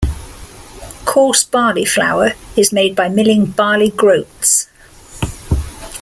Coarse barley flour is made by milling barley groats.